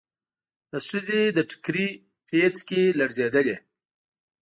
د ښځې د ټکري پيڅکې لړزېدلې.